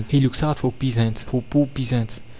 He looks out for peasants for poor peasants!